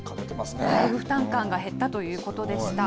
負担感が減ったということでした。